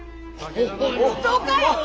本当かい！